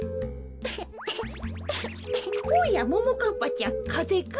おやももかっぱちゃんかぜかい？